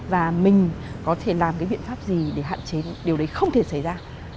và mình có thể làm cái biện pháp gì để hạn chế điều đấy không thể xảy ra